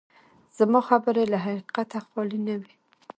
زما خبرې له حقیقته خالي نه دي.